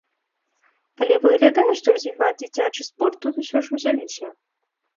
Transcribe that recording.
Але выглядае, што развіваць дзіцячы спорт тут усё ж узяліся.